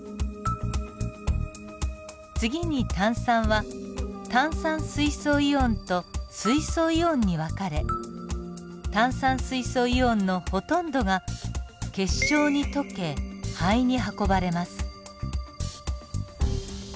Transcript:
次に炭酸は炭酸水素イオンと水素イオンに分かれ炭酸水素イオンのほとんどが血しょうに溶け肺に運ばれます。